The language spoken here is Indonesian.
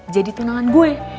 jadi tunangan gue